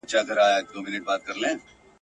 هم ښکرونه هم یې پښې پکښی لیدلې !.